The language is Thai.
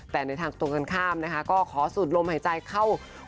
แต่ในทางตรงกันข้ามนะคะก็ขอสูดลมหายใจเข้า